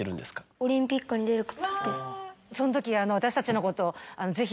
その時私たちのことぜひ。